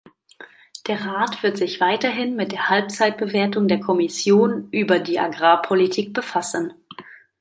Der Rat wird sich weiterhin mit der Halbzeitbewertung der Kommission über die Agrarpolitik befassen.